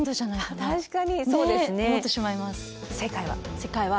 ねっ思ってしまいます。